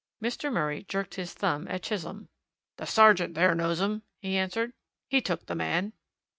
Mr. Murray jerked his thumb at Chisholm. "The sergeant there knows them," he answered. "He took the man."